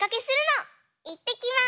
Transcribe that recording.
いってきます！